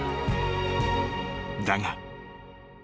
［だが］